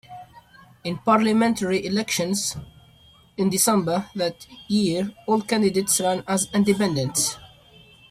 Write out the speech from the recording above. In parliamentary elections in December that year all candidates ran as independents.